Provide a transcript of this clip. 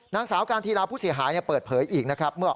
นางสาวการธีราผู้เสียหายเปิดเผยอีกนะครับ